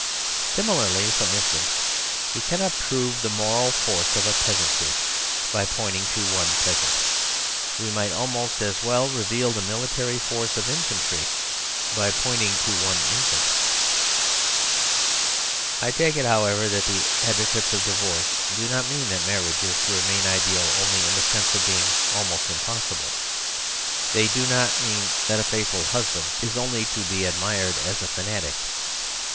Similarly, for instance, we cannot prove the moral force of a peasantry by point ing to one peasant; we might almost as well reveal the military force of infantry by point ing to one infant. 184 The Superstition of Divorce I take it, however, that the advocates of divorce do not mean that marriage is to re main ideal only in the sense of being almost impossible. They do not mean that a faith ful husband is only to be admired as a fanatic.